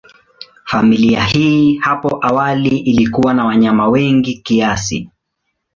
Familia hii hapo awali ilikuwa na wanyama wengi kiasi.